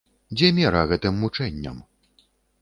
Дзе мера гэтым мучэнням?